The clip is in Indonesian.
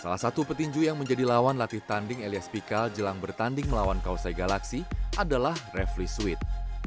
salah satu petinju yang menjadi lawan latih tanding elias pikal jelang bertanding melawan kausai galaksi adalah refli sweet